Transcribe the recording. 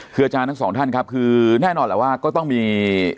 คืออาจารย์ทั้งสองท่านครับคือแน่นอนแหละว่าก็ต้องมี